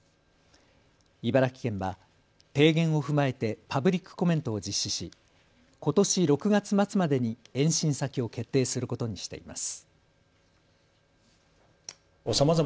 茨城県は提言を踏まえてパブリックコメントを実施しことし６月末までに延伸先を決定することにしています。